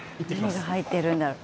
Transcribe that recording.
何が入ってるんだろう。